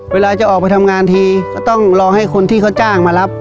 เวลาจะออกไปทำงานทีก็ต้องรอให้คนที่เขาจ้างมารับ